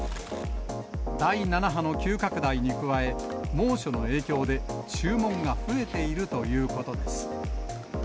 第７波の急拡大に加え、猛暑の影響で、注文が増えているということです。